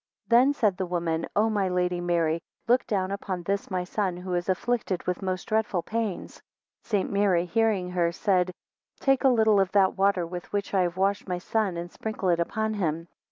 3 Then said the woman, O my Lady Mary, look down upon this my son, who is afflicted with most dreadful pains. 4 St. Mary hearing her, said, Take a little of that water with which I have washed my son, and sprinkle it upon him.